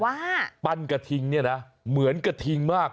ปั้นกระทิงเนี่ยนะเหมือนกระทิงมาก